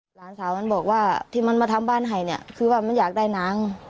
หลานสาวมันบอกว่าที่มันมาทำบ้านให้เนี่ยคือว่ามันอยากได้หนัง